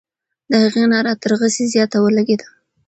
د هغې ناره تر غسي زیاته ولګېده.